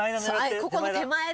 ここの手前で。